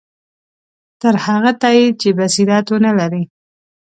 تر هغه تایید چې بصیرت ونه لري.